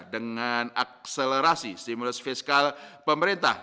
dengan akselerasi stimulus fiskal pemerintah